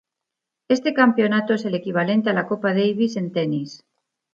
Este campeonato es el equivalente a la Copa Davis en tenis.